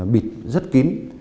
bịt rất kín